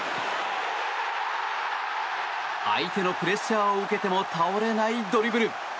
相手のプレッシャーを受けても倒れないドリブル。